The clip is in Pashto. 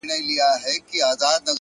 پرمختګ د عذرونو په پرېښودلو پیلېږي.